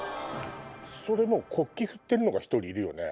国旗振ってるのが１人いるよね。